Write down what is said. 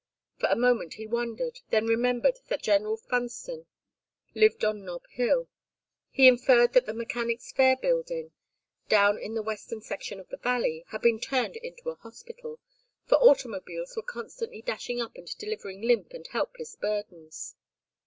For a moment he wondered, then remembered that General Funston lived on Nob Hill. He inferred that the Mechanics' Fair Building, down in the western section of the valley, had been turned into a hospital, for automobiles were constantly dashing up and delivering limp and helpless burdens.